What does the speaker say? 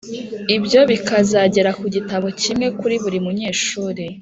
ibyo bikazagera ku gitabo kimwe kuri buri munyeshuli